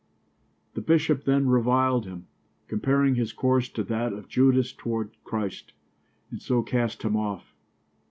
The bishop then reviled him, comparing his course to that of Judas toward Christ, and so cast him off.